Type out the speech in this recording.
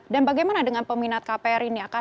dan bagaimana dengan peminat kpr ini